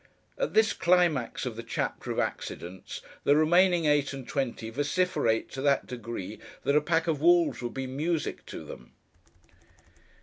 At this climax of the chapter of accidents, the remaining eight and twenty vociferate to that degree, that a pack of wolves would be music to them!